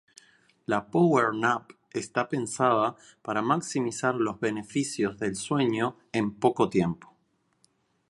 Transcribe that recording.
La Power Nap está pensada para maximizar los beneficios del sueño en poco tiempo.